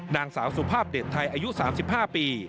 นางสาวสุภาพเด็ดไทยอายุ๓๕ปี